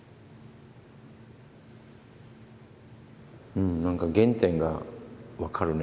うんなんか原点が分かるね